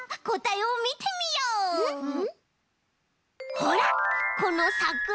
ほらこのさくら。